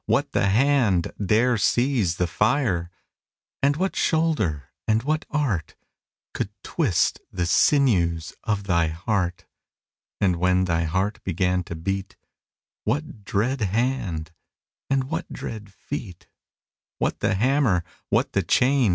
What the hand dare sieze the fire? And what shoulder, & what art, Could twist the sinews of thy heart? And when thy heart began to beat, What dread hand? & what dread feet? What the hammer? what the chain?